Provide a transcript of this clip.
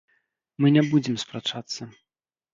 Мы не будзем спрачацца.